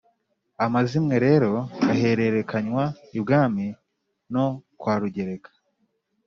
amazimwe rero ahererekanwa ibwami no kwa rugereka: